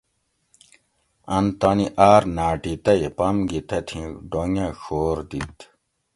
اۤن تانی آۤر ناٹی تئ پم گی تتھیں ڈونگ اۤ ڛور دِت